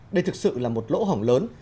đây thực sự là một lỗ hỏng lớn